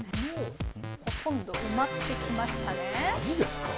ほとんど埋まってきましたね。